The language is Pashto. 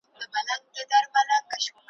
سترګي ګوري ستا و خواته.